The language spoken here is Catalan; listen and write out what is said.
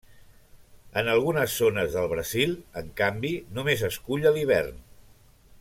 En algunes zones del Brasil, en canvi, només es cull a l'hivern.